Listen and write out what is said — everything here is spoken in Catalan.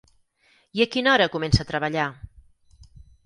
I a quina hora comença a treballar?